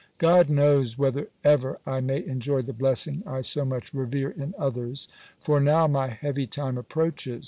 God knows whether ever I may enjoy the blessing I so much revere in others. For now my heavy time approaches.